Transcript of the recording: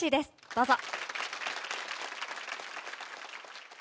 どうぞ。